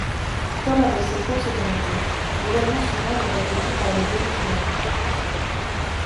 Comme avec ses courses automobiles, l'événement suivant est accueilli par le pays du vainqueur.